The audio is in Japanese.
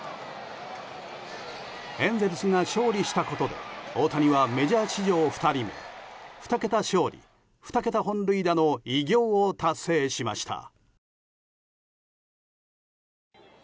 エンゼルスが勝利したことで大谷はメジャー史上２人目２桁勝利２桁本塁打の偉業を達成しました。